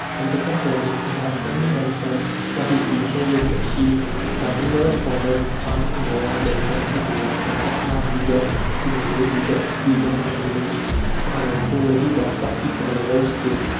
On the contrary, we have only mentioned what is being already achieved by numerous farmers in France, England, Belgium, etc., and what might be done to morrow with the experience and knowledge acquired already by practice on a large scale.